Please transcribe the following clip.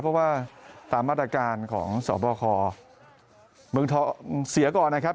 เพราะว่าตามมาตรการของสบคเมืองทองเสียก่อนนะครับ